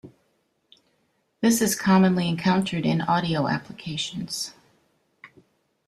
This is commonly encountered in audio applications.